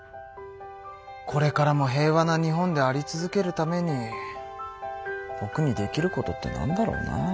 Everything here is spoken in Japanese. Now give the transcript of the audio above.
これからも平和な日本であり続けるためにぼくにできることってなんだろうな。